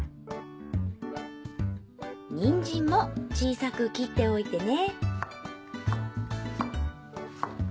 にんじんも小さく切っておいてね